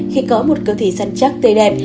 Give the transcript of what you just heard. khi có một cơ thể sẵn chắc tươi đẹp